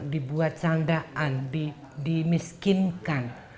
dibuat sandaan dimiskinkan